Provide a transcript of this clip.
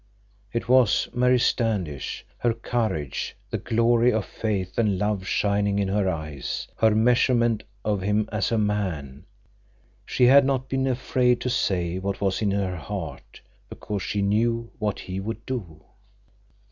It was Mary Standish—her courage, the glory of faith and love shining in her eyes, her measurement of him as a man. She had not been afraid to say what was in her heart, because she knew what he would do.